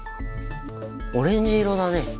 オレンジ色だね。